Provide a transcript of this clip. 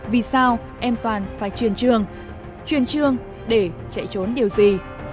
vì sao em toàn phải chuyển trường chuyển trường để chạy trốn điều gì